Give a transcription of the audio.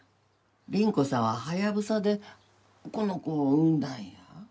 倫子さんはハヤブサでこの子を産んだんや。